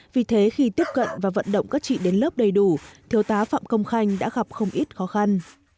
vì thế khi tiếp cận và vận động các chị đến lớp đầy đủ thiếu tá phạm công khanh đã gặp không ít khó khăn